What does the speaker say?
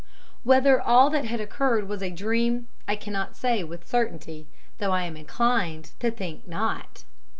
Whether all that had occurred was a dream, I cannot say with certainty, though I am inclined to think not.